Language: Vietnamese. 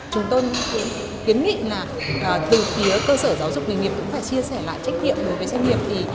chúng tôi kiến nghị là từ phía cơ sở giáo dục nghề nghiệp cũng phải chia sẻ lại trách nhiệm đối với doanh nghiệp